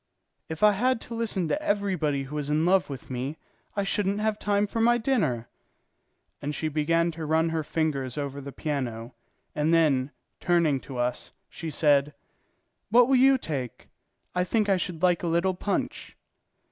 "If I had to listen to everybody who was in love with me, I shouldn't have time for my dinner." And she began to run her fingers over the piano, and then, turning to us, she said: "What will you take? I think I should like a little punch."